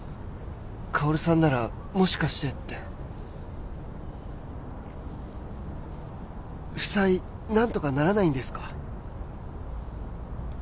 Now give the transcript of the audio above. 香さんならもしかしてって負債何とかならないんですか？